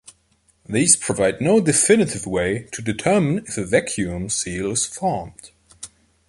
These provide no definitive way to determine if a vacuum seal is formed.